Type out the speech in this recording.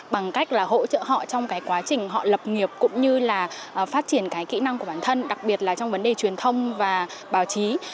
bằng cách là hỗ trợ họ trong cái quá trình họ lập nghiệp cũng như là phát triển cái kỹ năng của bản thân đặc biệt là trong vấn đề truyền thông và báo chí